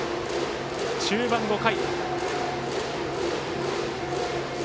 中盤５回。